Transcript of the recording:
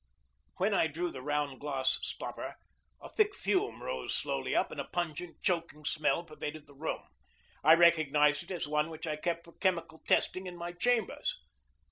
When I drew the round glass stopper, a thick fume rose slowly up, and a pungent, choking smell pervaded the room. I recognized it as one which I kept for chemical testing in my chambers.